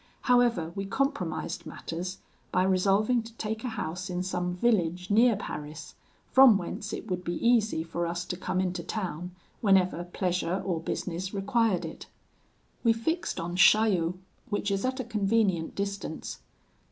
However, we compromised matters by resolving to take a house in some village near Paris, from whence it would be easy for us to come into town whenever pleasure or business required it. We fixed on Chaillot, which is at a convenient distance.